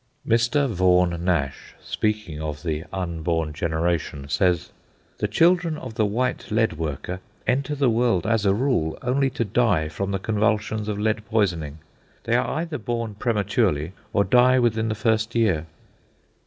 Mr. Vaughan Nash, speaking of the unborn generation, says: "The children of the white lead worker enter the world, as a rule, only to die from the convulsions of lead poisoning—they are either born prematurely, or die within the first year."